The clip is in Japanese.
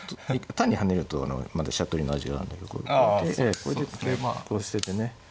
単に跳ねるとまだ飛車取りの味があるんだけどこうやってこれで歩を捨ててね